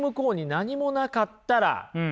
何もなかったら。